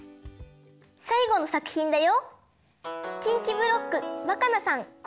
さいごのさくひんだよ。